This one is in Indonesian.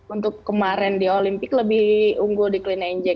untuk kemarin di olimpik lebih unggul di clean and jack